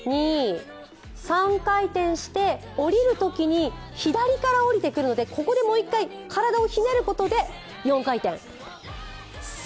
３回転して下りるときに左から下りてくるので、ここでもう一回体をひねることで４回転。